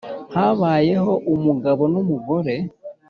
Habayeho umugabo n’umugore